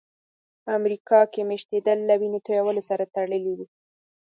په امریکا کې مېشتېدل له وینې تویولو سره تړلي وو.